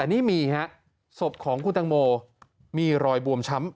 นี่มีฮะศพของคุณตังโมมีรอยบวมช้ำ